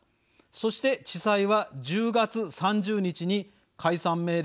そして地裁は１０月３０日に解散命令を出しました。